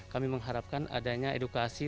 kami mengharapkan adanya edukasi